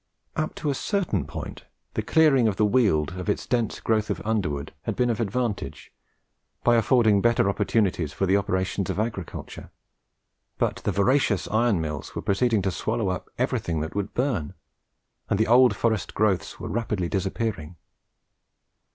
Up to a certain point, the clearing of the Weald of its dense growth of underwood had been of advantage, by affording better opportunities for the operations of agriculture. But the "voragious iron mills" were proceeding to swallow up everything that would burn, and the old forest growths were rapidly disappearing.